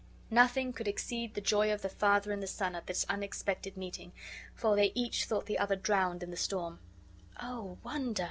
Nothing could exceed the joy of the father and the son at this unexpected meeting, for they each thought the other drowned in the storm. "Oh wonder!"